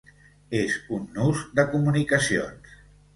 És un nus de comunicacions.